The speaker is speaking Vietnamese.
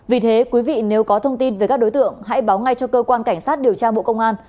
vì thế quý vị nếu có thông tin về các đối tượng hãy báo ngay cho cơ quan cảnh sát điều tra bộ công an